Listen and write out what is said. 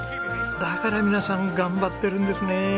だから皆さん頑張ってるんですね。